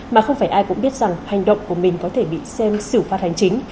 mà không phải ai cũng biết rằng hành động của mình có thể bị xem xử phạt hành chính